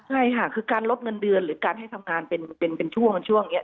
ใช่ค่ะคือการลดเงินเดือนหรือการให้ทำงานเป็นช่วงช่วงนี้